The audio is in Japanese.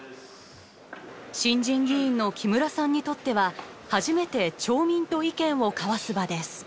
新人議員の木村さんにとっては初めて町民と意見を交わす場です。